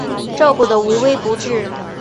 照顾得无微不至